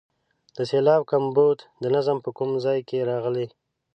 د سېلاب کمبود د نظم په کوم ځای کې راغلی.